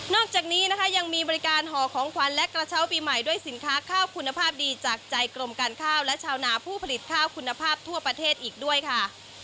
จากนี้นะคะยังมีบริการห่อของขวัญและกระเช้าปีใหม่ด้วยสินค้าข้าวคุณภาพดีจากใจกรมการข้าวและชาวนาผู้ผลิตข้าวคุณภาพทั่วประเทศอีกด้วยค่ะ